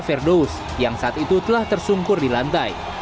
firdaus yang saat itu telah tersungkur di lantai